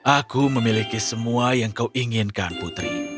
aku memiliki semua yang kau inginkan putri